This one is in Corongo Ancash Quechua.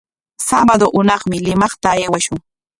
Sabado hunaqmi Limaqta aywashun.